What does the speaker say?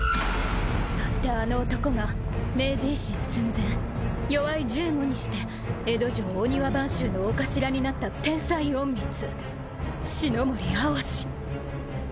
そしてあの男が明治維新寸前よわい１５にして江戸城御庭番衆の御頭になった天才隠密四乃森蒼紫］